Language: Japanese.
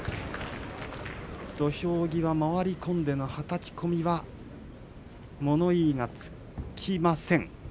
土俵際回り込んでのはたき込みは物言いがつきません。